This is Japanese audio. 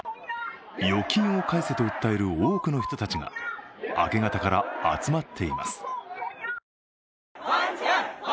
預金を返せと訴える多くの人たちが明け方から集まっています。